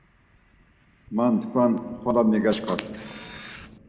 Ma tkvan xvala megaşkvat.